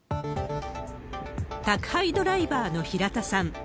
宅配ドライバーの平田さん。